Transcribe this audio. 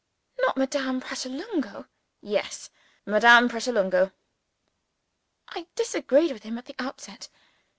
"Not Madame Pratolungo?" "Yes! Madame Pratolungo." I disagreed with him at the outset.